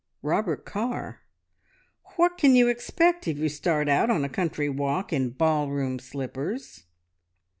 "Robert Carr. `What can you expect if you start out on a country walk in ball room slippers?'